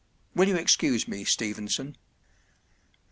Will you excuse me, Stevenson ?